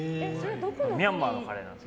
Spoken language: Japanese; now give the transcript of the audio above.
ミャンマーのカレーなんです。